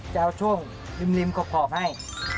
จะเอาช่วงริมขอบให้